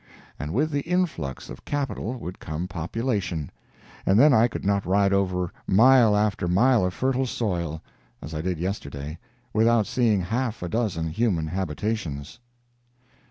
And with the influx of capital would come population, and then I could not ride over mile after mile of fertile soil (as I did yesterday) without seeing half a dozen human habitations.